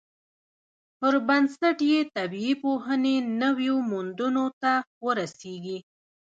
پر بنسټ یې طبیعي پوهنې نویو موندنو ته ورسیږي.